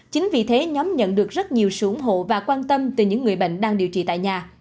chính vì thế nhóm nhận được rất nhiều sự ủng hộ và quan tâm từ những người bệnh đang điều trị tại nhà